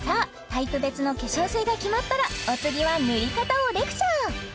タイプ別の化粧水が決まったらお次は塗り方をレクチャー